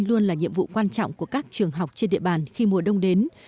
luôn là nhiệm vụ quan trọng của các trường học trên địa bàn khi mùa đông đến